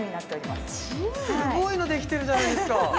すごいのできてるじゃないですか